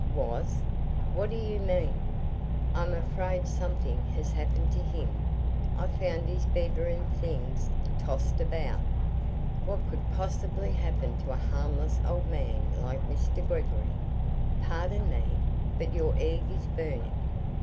"Was? What do you mean?" "I'm afraid something has happened to him. I found his bedroom things tossed about." "What could possibly happen to a harmless old man like Mr. Gregory?" "Pardon me, but your egg is burning!"